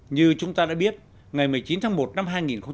như chúng ta đã biết ngày một mươi chín tháng một năm hai nghìn một mươi chín